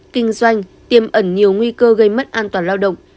kinh doanh tiêm ẩn nhiều nguy cơ gây mất an toàn lao động